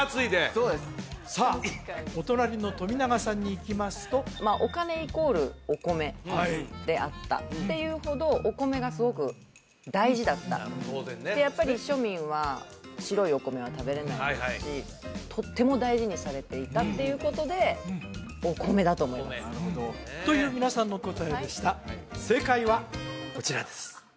そうですさあお隣の冨永さんにいきますとお金イコールお米であったっていうほどお米がすごく大事だったでやっぱり庶民は白いお米は食べれないですしとっても大事にされていたっていうことでお米だと思いますという皆さんの答えでした正解はこちらです